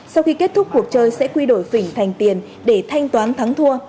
sau khi kết thúc cuộc chơi sẽ quy đổi phỉnh thành tiền để thanh toán thắng thua